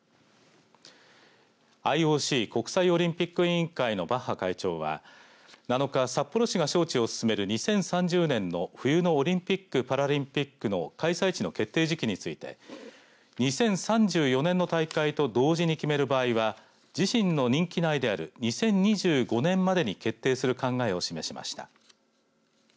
ＩＯＣ国際オリンピック委員会のバッハ会長は７日、札幌市が招致を進める２０３０年の冬のオリンピック・パラリンピックの開催地の決定時期について２０３４年の大会と同時に決める場合は自身の任期内である２０２５年までに決定する考えを示しました。